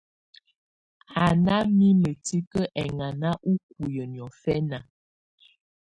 Á ná mimǝ́ tikǝ́ ɛŋáná úkuiyi niɔ̀fɛna.